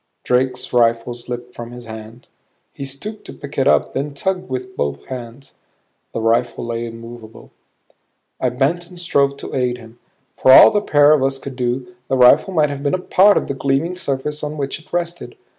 Drake's rifle slipped from his hand. He stooped to pick it up; then tugged with both hands. The rifle lay immovable. I bent and strove to aid him. For all the pair of us could do, the rifle might have been a part of the gleaming surface on which it rested.